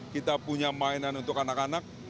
kita punya mainan untuk anak anak